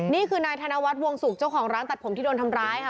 นี่คือนายธนวัฒน์วงศุกร์เจ้าของร้านตัดผมที่โดนทำร้ายค่ะ